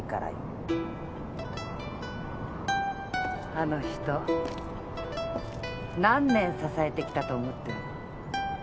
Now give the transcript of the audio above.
あの人何年支えてきたと思ってるの？